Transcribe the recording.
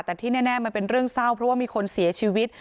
แต่ที่แน่มันเป็นเรื่องเศร้าเพราะว่ามีคนเสียชีวิต